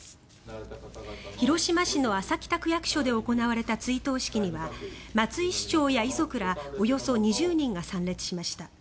広島市の安佐北区役所で行われた追悼式には松井市長や遺族らおよそ２０人が参列しました。